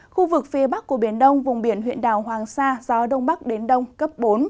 khu vực phía bắc của biển đông vùng biển huyện đảo hoàng sa gió đông bắc đến đông cấp bốn